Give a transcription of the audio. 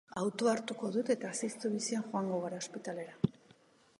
Autoa hartuko dut eta ziztu bizian joango gara ospitalera